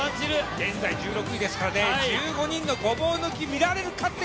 現在１６位ですから、１５人のごぼう抜き見られるか。